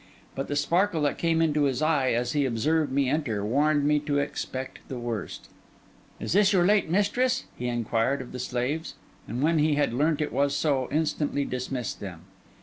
But the sparkle that came into his eye as he observed me enter, warned me to expect the worst. 'Is this your late mistress?' he inquired of the slaves; and when he had learnt it was so, instantly dismissed them.